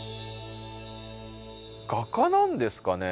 画家なんですかね？